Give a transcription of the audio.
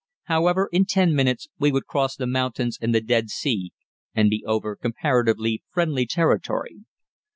However, in ten minutes we would cross the mountains and the Dead Sea, and be over comparatively friendly territory.